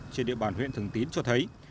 trên địa bàn huyện thứng tín cho thấy